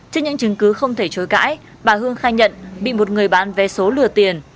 trước những chứng cứ không thể chối cãi bà hương khai nhận bị một người bán vé số lừa tiền